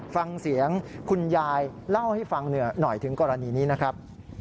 ฟังเสียงคุณยายเล่าให้ฟังหน่อยถึงกรณีนี้นะครับ